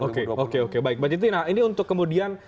oke baik mbak jitina ini untuk kemudian